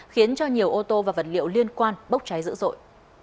khiến cho nhiều ô tô và vật liệu liên quan bốc cháy dữ dội